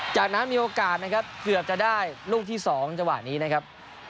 จากนั้นมีโอกาสนะครับเกือบจะได้ลูกที่๒จังหวะนี้นะครับ